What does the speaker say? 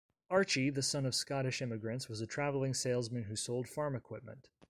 Archie, the son of Scottish immigrants, was a traveling salesman who sold farm equipment.